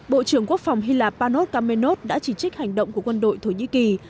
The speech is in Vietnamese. bộ trưởng quốc phòng hy lạp panos camenov đã chỉ trích hành động của quân đội thổ nhĩ kỳ